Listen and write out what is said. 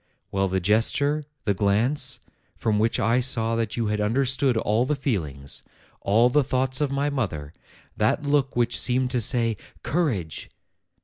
Well, the gesture, the glance, from which I saw that you had understood all the feelings, all the thoughts of my mother ; that look which seemed to say, 'Courage